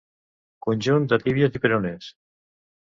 Conjunts de tíbies i peronés.